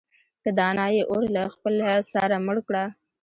که دانا يې اور له خپله سره مړ کړه.